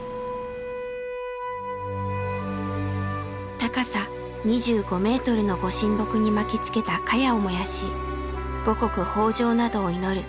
高さ２５ｍの御神木に巻きつけたカヤを燃やし五穀豊穣などを祈る